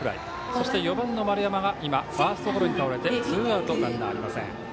そして４番の丸山がファーストゴロに倒れてツーアウト、ランナーありません。